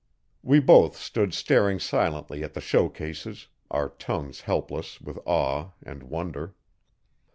We both stood staring silently at the show cases, our tongues helpless with awe and wonder.